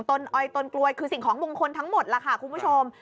อ้อยต้นกล้วยคือสิ่งของมงคลทั้งหมดล่ะค่ะคุณผู้ชม